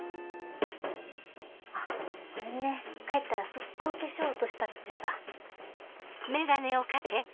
あっごめんね帰ったら即行化粧落としたくてさ。